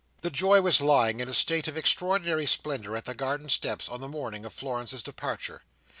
The Joy was lying in a state of extraordinary splendour, at the garden steps, on the morning of Florence's departure.